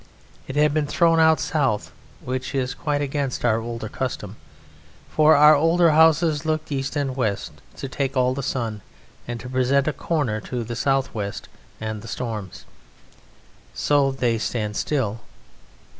It had been thrown out south (which is quite against our older custom, for our older houses looked east and west to take all the sun and to present a corner to the south west and the storms. So they stand still).